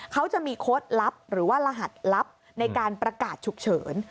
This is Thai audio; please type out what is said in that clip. เขาจะมีโค้ดลับหรือว่ารหัสลับในการประกาศฉุกเฉิน